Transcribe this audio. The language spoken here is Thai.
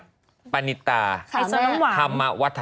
นิงปานิตาฮามะวัฒนะคำให้สอน้ำหวาน